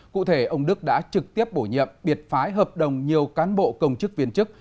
cụ thể ông đức đã trực tiếp bổ nhiệm biệt phái hợp đồng nhiều cán bộ công chức viên chức